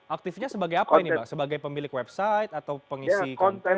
aktifnya sebagai apa ini bang sebagai pemilik website atau pengisi konten